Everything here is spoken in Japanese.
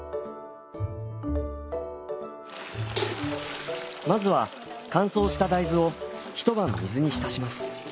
まずは乾燥した大豆を一晩水に浸します。